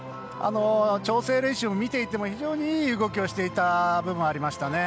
調整練習を見ていても非常に、いい動きをしていた部分がありました。